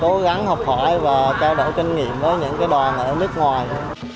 cố gắng học hỏi và trao đổi kinh nghiệm với những đoàn ở nước ngoài